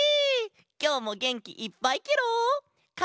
きょうもげんきいっぱいケロ！